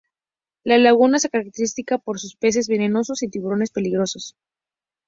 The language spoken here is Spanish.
La Laguna se caracteriza por sus peces venenosos y tiburones peligrosos.